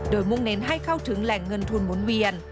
โดยมุ่งเน้นให้เข้าถึงแหล่งเงินทุนหมุนเวียน